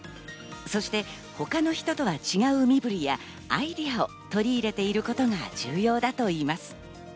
そして他の人とは違う身振りやアイデアを取り入れていることが重要だといいます。